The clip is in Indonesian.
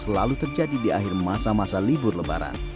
selalu terjadi di akhir masa masa libur lebaran